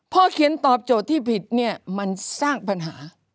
พอเขียนตอบโจทย์ที่ผิดเนี่ยมันสร้างปัญหา